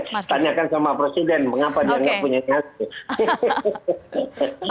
saya tanyakan sama presiden mengapa dia nggak punya nyali